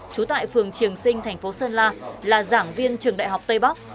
trú tại phường triềng sinh thành phố sơn la là giảng viên trường đại học tây bắc